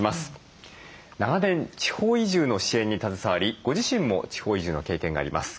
長年地方移住の支援に携わりご自身も地方移住の経験があります。